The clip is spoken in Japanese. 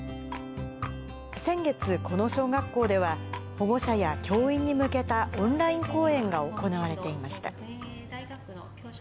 先月、この小学校では、保護者や教員に向けたオンライン講演が行われていました。